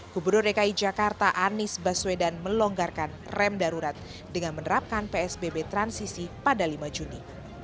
gubernur dki jakarta anies baswedan melonggarkan rem darurat dengan menerapkan psbb transisi pada lima juni